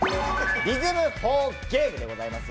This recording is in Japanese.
「リズム４ゲーム」でございます。